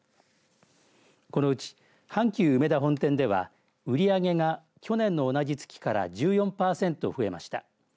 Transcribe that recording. このうち、阪急うめだ本店では売り上げが、去年の同じ月から１４パーセント増えました。